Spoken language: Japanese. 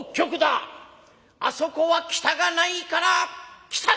あそこは北がないから汚い！」。